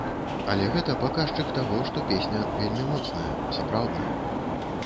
Але гэта паказчык таго, што песня вельмі моцная, сапраўдная.